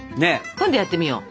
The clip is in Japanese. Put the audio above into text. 今度やってみよう。